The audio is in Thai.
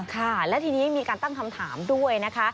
ค่ะและทีนี้มีการตั้งคำถามด้วยนะคะ